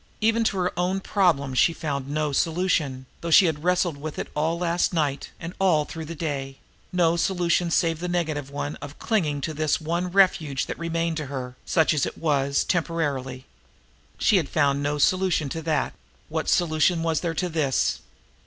Even to her own problem she had found no solution, though she had wrestled with it all last night, and all through the day; no solution save the negative one of clinging to this one refuge that remained to her, such as it was, temporarily. She had found no solution to that; what solution was there to this!